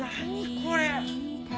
これ。